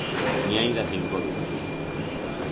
N'i hai d'a cinco duros.